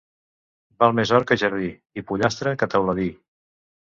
Val més hort que jardí, i pollastre que teuladí.